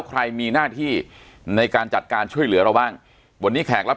ใครมีหน้าที่ในการจัดการช่วยเหลือเราบ้างวันนี้แขกรับ